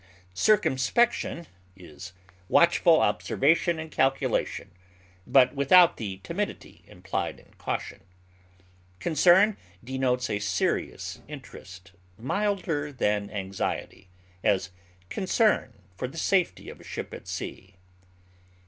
Circumspection is watchful observation and calculation, but without the timidity implied in caution. Concern denotes a serious interest, milder than anxiety; as, concern for the safety of a ship at sea.